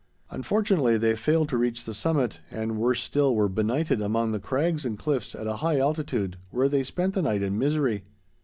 Unfortunately they failed to reach the summit, and, worse still, were benighted among the crags and cliffs at a high altitude, where they spent the night in misery.